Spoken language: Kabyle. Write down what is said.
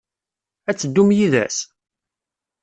Ad teddum yid-s?